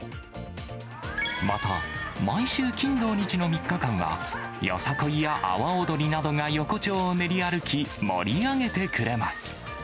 また、毎週金、土、日の３日間は、よさこいや阿波踊りなどが横丁を練り歩き、盛り上げてくれます。